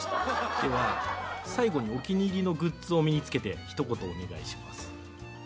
では最後にお気に入りのグッズを身に着けてひと言お願いします。